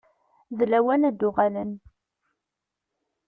D lawan ad uɣalen.